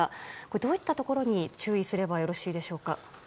どういったところに注意すればよろしいでしょうか。